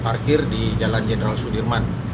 saksi satu terparkir di jalan jenderal sudirman